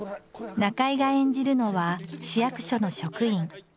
中井が演じるのは市役所の職員。